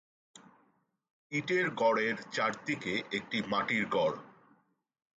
ইটের গড়ের চারিদিকে একটি মাটির গড়।